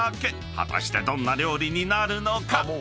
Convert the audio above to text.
［果たしてどんな料理になるのか？］